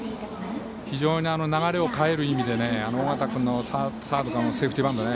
非常に流れを変える意味であの尾形君のサードのセーフティー